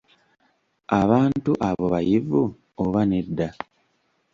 Abantu abo bayivu oba nedda?